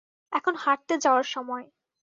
এখন হাঁটতে যাওয়ার সময়।